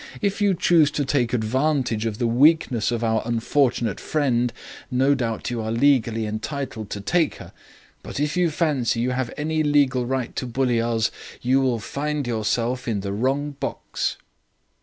If you choose to take advantage of the weakness of our unfortunate friend, no doubt you are legally entitled to take her. But if you fancy you have any legal right to bully us, you will find yourself in the wrong box.'